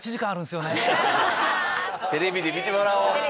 テレビで見てもらおう。